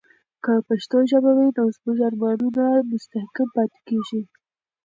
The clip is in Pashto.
که پښتو ژبه وي، نو زموږ ارمانونه مستحکم پاتې کیږي.